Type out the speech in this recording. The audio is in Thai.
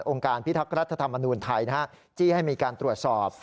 การพิทักษ์รัฐธรรมนูญไทยจี้ให้มีการตรวจสอบ